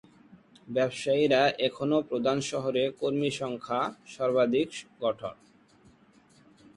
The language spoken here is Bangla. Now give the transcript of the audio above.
ব্যবসায়ীরা এখনও প্রধান শহরে কর্মী সংখ্যা সর্বাধিক গঠন।